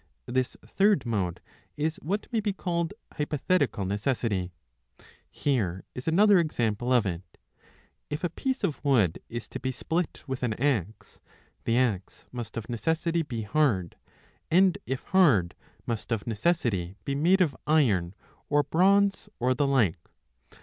This third mode is what may be called hypothetical necessity. Here is another example of it. If a piece of wood is to be split with an axe, the axe must of necessity be hard ; and, if hard, must of necessity be made of iron, or bronze, or the like.